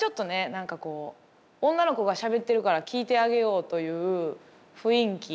何かこう女の子がしゃべってるから聞いてあげようという雰囲気。